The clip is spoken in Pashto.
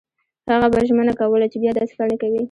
هغه به ژمنه کوله چې بیا داسې کار نه کوي.